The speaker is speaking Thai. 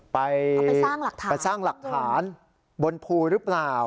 ไปสร้างหลักฐานบนภูหรือเปล่า